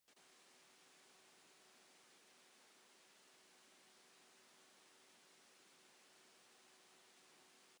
Cafodd hi addysg farddol bellach gan Ioan Madog a'r Prifardd Emrys.